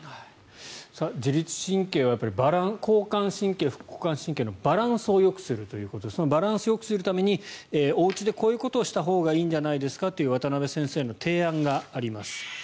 自律神経は交感神経、副交感神経のバランスをよくするということでそのバランスをよくするためにおうちでこういうことをしたほうがいいんじゃないですかという渡邊先生の提案があります。